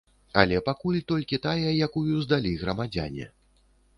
Але пакуль толькі тая, якую здалі грамадзяне.